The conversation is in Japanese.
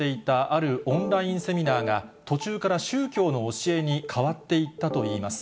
あるオンラインセミナーが、途中から宗教の教えに変わっていったといいます。